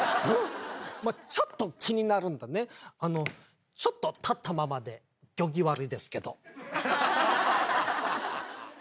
まあちょっと気になるんでねちょっと立ったままで行儀悪いですけど。